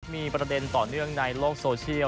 มีประเด็นต่อเนื่องในโลกโซเชียล